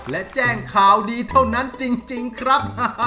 และแจ้งข่าวดีเท่านั้นจริงครับ